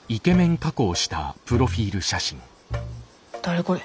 誰これ。